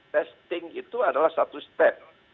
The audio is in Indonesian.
testing itu adalah satu step